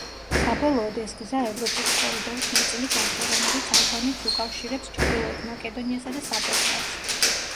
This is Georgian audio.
საბოლოოდ, ეს გზა ევროპული კორიდორის ნაწილი გახდა, რომელიც ალბანეთს უკავშირებს ჩრდილოეთ მაკედონიასა და საბერძნეთს.